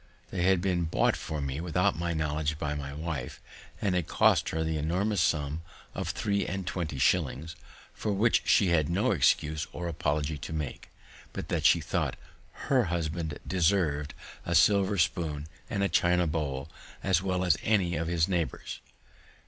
They had been bought for me without my knowledge by my wife, and had cost her the enormous sum of three and twenty shillings, for which she had no other excuse or apology to make, but that she thought her husband deserv'd a silver spoon and China bowl as well as any of his neighbors.